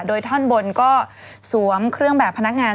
โดยท่อนบนก็สวมเครื่องแบบพนักงาน